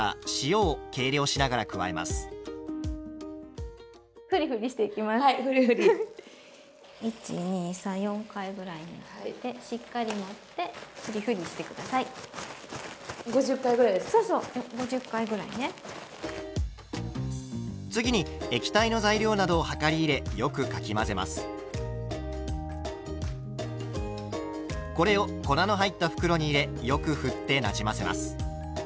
これを粉の入った袋に入れよくふってなじませます。